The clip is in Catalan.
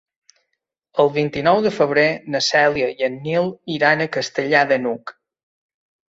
El vint-i-nou de febrer na Cèlia i en Nil iran a Castellar de n'Hug.